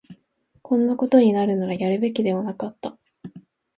こんなことになるなら、やるべきではなかった